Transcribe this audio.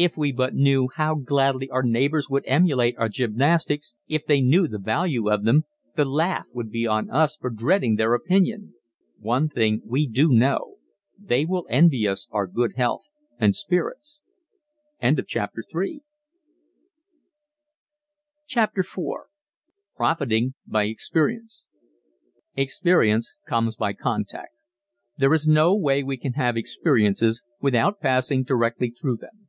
If we but knew how gladly our neighbors would emulate our gymnastics if they knew the value of them the laugh would be on us for dreading their opinion. One thing we do know they will envy us our good health and spirits. CHAPTER IV PROFITING BY EXPERIENCE Experience comes by contact. There is no way we can have experiences without passing directly through them.